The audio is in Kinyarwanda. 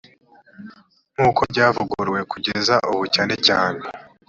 nk uko ryavuguruwe kugeza ubu cyane cyane